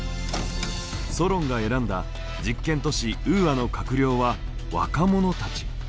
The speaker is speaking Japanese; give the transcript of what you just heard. ソロンが選んだ実験都市ウーアの閣僚は若者たち。